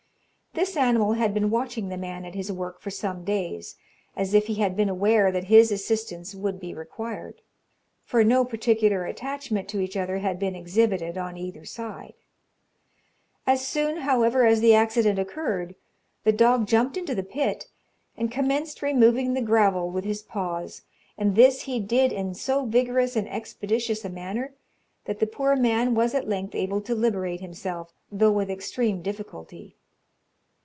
This animal had been watching the man at his work for some days, as if he had been aware that his assistance would be required; for no particular attachment to each other had been exhibited on either side. As soon, however, as the accident occurred, the dog jumped into the pit, and commenced removing the gravel with his paws; and this he did in so vigorous and expeditious a manner, that the poor man was at length able to liberate himself, though with extreme difficulty.